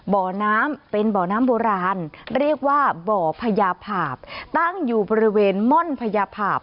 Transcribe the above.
บ่อน้ำเป็นบ่อน้ำโบราณเรียกว่าบ่อพญาภาพตั้งอยู่บริเวณม่อนพญาภาพ